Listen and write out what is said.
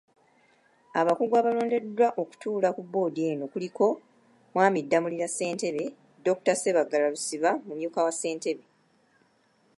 Abakugu abalondeddwa okutuula ku boodi eno kuliko; Mw.Damulira Ssentebe, Dr. Ssebaggala Lusiba mumyuka wa ssentebe.